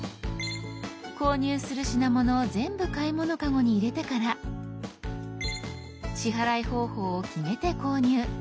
購入する品物を全部買い物カゴに入れてから支払い方法を決めて購入。